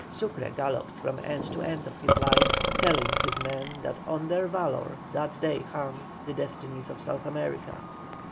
Sucre galloped from end to end of his line, telling his men that on their valour that day hung the destinies of South America.